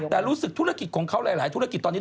แต่รู้สึกธุรกิจของเขาหลายธุรกิจตอนนี้